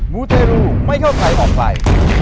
มูเตรูไม่เข้าใครออกใคร